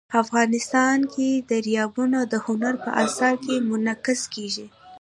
افغانستان کې دریابونه د هنر په اثار کې منعکس کېږي.